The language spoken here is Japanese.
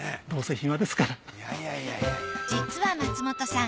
実は松本さん